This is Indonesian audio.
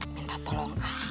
minta tolong apa boleh